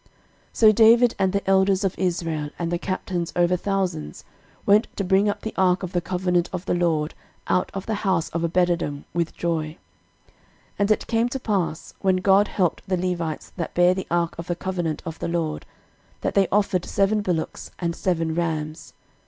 13:015:025 So David, and the elders of Israel, and the captains over thousands, went to bring up the ark of the covenant of the LORD out of the house of Obededom with joy. 13:015:026 And it came to pass, when God helped the Levites that bare the ark of the covenant of the LORD, that they offered seven bullocks and seven rams.